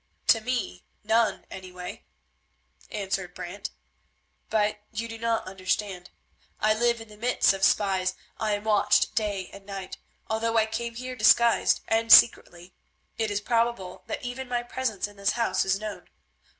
"To me none, any way," answered Brant; "but you do not understand. I live in the midst of spies, I am watched day and night; although I came here disguised and secretly, it is probable that even my presence in this house is known.